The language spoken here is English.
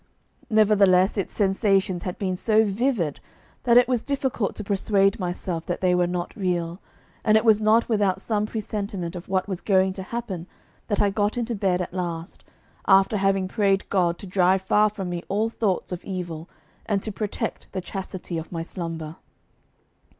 Nevertheless its sensations had been so vivid that it was difficult to persuade myself that they were not real, and it was not without some presentiment of what was going to happen that I got into bed at last, after having prayed God to drive far from me all thoughts of evil, and to protect the chastity of my slumber.